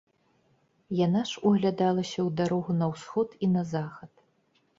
Яна ж углядалася ў дарогу на ўсход і на захад.